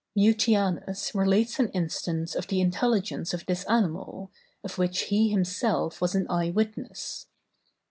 Mutianus relates an instance of the intelligence of this animal, of which he himself was an eye witness.